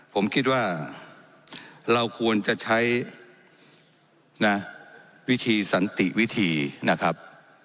ผมคิดว่าเราควรจะใช้นะวิธีสันติวิธีนะครับ